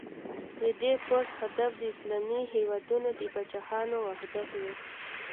د دې پوځ هدف د اسلامي هېوادونو د پاچاهانو وحدت و.